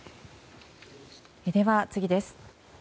では次です。